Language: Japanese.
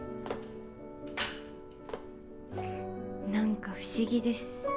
何か不思議です。